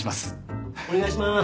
お願いします。